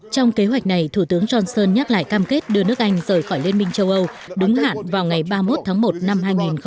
trong kế hoạch này thủ tướng johnson nhắc lại cam kết đưa nước anh rời khỏi liên minh châu âu đúng hạn vào ngày ba mươi một tháng một năm hai nghìn hai mươi